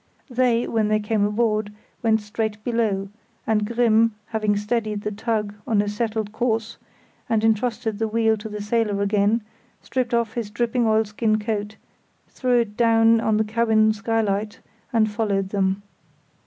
They, when they came aboard, went straight below, and Grimm, having steadied the tug on a settled course and entrusted the wheel to the sailor again, stripped off his dripping oilskin coat, threw it down on the cabin skylight, and followed them.